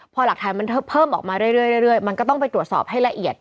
พอหลักฐานมันเพิ่มออกมาเรื่อยมันก็ต้องไปตรวจสอบให้ละเอียด